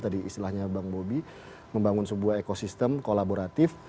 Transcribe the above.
tadi istilahnya bang bobi membangun sebuah ekosistem kolaboratif